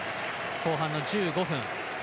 後半の１５分。